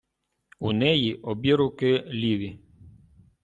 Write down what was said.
У неї обіруки ліві.